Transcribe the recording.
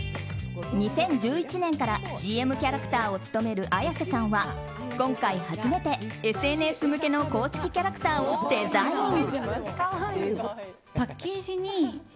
２０１１年からＣＭキャラクターを務める綾瀬さんは今回初めて、ＳＮＳ向けの公式キャラクターをデザイン。